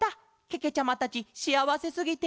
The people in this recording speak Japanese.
けけちゃまたちしあわせすぎて。